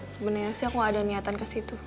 sebenernya sih aku ada niatan kesitu